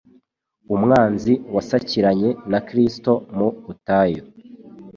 Umwanzi wasakiranye na Kristo mu butayu,